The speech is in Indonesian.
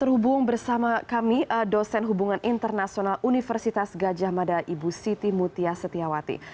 terhubung bersama kami dosen hubungan internasional universitas gajah mada ibu siti mutia setiawati